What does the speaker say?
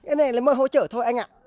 cái này là mỗi hỗ trợ thôi anh ạ